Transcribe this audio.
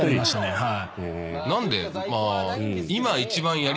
はい。